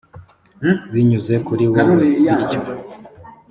binyuze kuri wowe r bityo